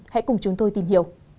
hãy cùng chúng tôi tìm hiểu